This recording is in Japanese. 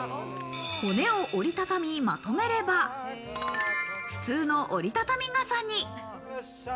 骨を折り畳み、まとめれば、普通の折り畳みがさに。